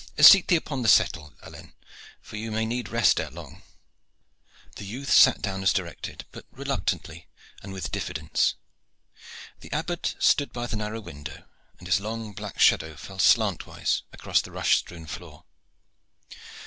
Seat thee upon the settle, Alleyne, for you may need rest ere long." The youth sat down as directed, but reluctantly and with diffidence. The Abbot stood by the narrow window, and his long black shadow fell slantwise across the rush strewn floor.